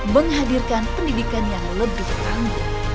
menghadirkan pendidikan yang lebih tangguh